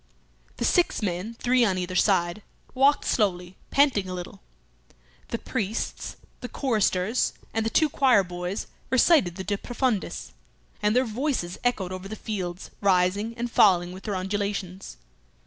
The six men, three on either side, walked slowly, panting a little. The priests, the choristers, and the two choirboys recited the De profundis, and their voices echoed over the fields, rising and falling with their undulations.